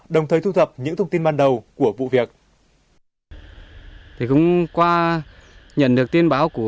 đồng thời thu thập những thông tin ban đầu của vụ việc